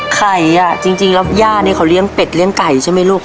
ไข่จริงแล้วย่านี่เขาเลี้ยงเป็ดเลี้ยงไข่ใช่มั้ยลูก